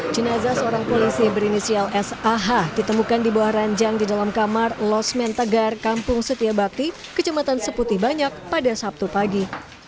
cinaza seorang polisi berinisial s a h ditemukan di bawah ranjang di dalam kamar los men tegar kampung setia bakti kecamatan seputi banyak pada sabtu pagi